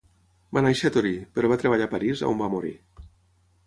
Va néixer a Torí, però va treballar a París, on va morir.